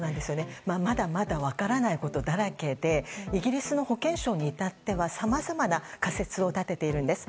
まだまだ分からないことだらけでイギリスの保健省に至ってはさまざまな仮説を立てているんです。